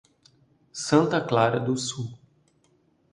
Santa Clara do Sul